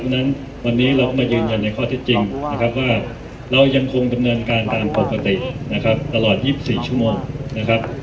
เพราะฉะนั้นวันนี้เราก็มายืนยันในข้อเท็จจริงนะครับว่าเรายังคงดำเนินการตามปกตินะครับตลอด๒๔ชั่วโมงนะครับ